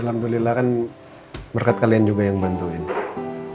alhamdulillah kan berkat kalian juga yang bantu aku ya